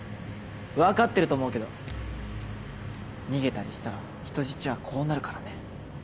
分かってると思うけど逃げたりしたら人質はこうなるからね。